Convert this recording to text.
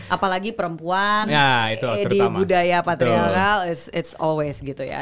apalagi perempuan di budaya patriarchal it s always gitu ya